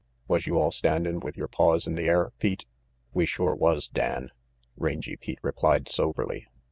Was you all standin' with yer paws in the air, Pete?" "We sure was, Dan," Rangy Pete replied soberly.